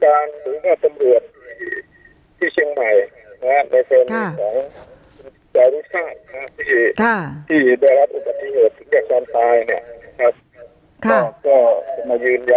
ยังคือทุ่มรัพย์การหรือที่เชียงใหม่